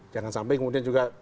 jangan sampai kemudian juga